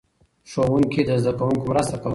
ښوونکي د زده کوونکو مرسته کوله.